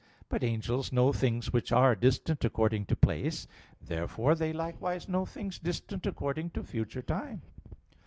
But angels know things which are distant according to place. Therefore they likewise know things distant according to future time.